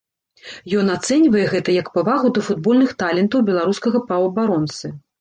Ён ацэньвае гэта як павагу да футбольных талентаў беларускага паўабаронцы.